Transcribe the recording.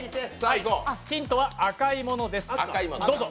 ヒントは赤いものです。